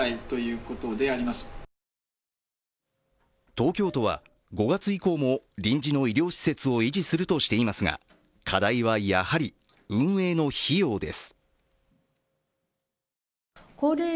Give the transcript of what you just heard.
東京都は５月以降も臨時の医療施設を維持するとしていますが、課題は、やはり運営の費用です。